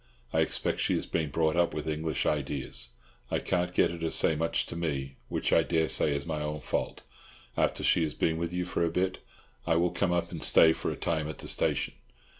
I expect she has been brought up with English ideas. I can't get her to say much to me, which I daresay is my own fault. After she has been with you for a bit, I will come up and stay for a time at the station.